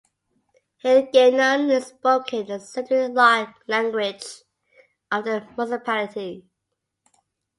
Hiligaynon is spoken as a secondary language of the municipality.